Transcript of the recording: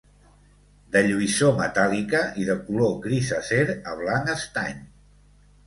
De lluïssor metàl·lica i de color gris acer a blanc estany.